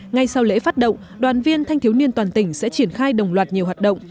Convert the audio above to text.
ngay sau lễ phát động đoàn viên thanh thiếu niên toàn tỉnh sẽ triển khai đồng loạt nhiều hoạt động